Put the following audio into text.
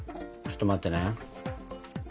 ちょっと待ってね。